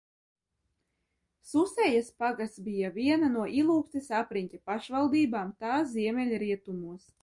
Susējas pagasts bija viena no Ilūkstes apriņķa pašvaldībām tā ziemeļrietumos.